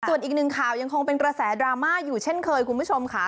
ส่วนอีกหนึ่งข่าวยังคงเป็นกระแสดราม่าอยู่เช่นเคยคุณผู้ชมค่ะ